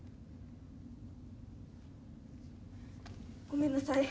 ごめんなさい。